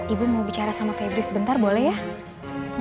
ibu mau bicara sama febri sebentar boleh ya